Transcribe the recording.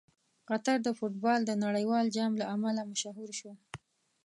قطر د فټبال د نړیوال جام له امله مشهور شو.